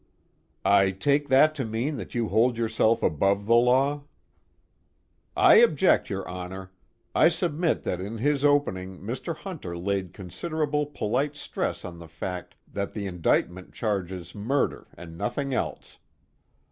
_ "I take that to mean that you hold yourself above the law?" "I object, your Honor. I submit that in his opening Mr. Hunter laid considerable polite stress on the fact that the indictment charges murder and nothing else.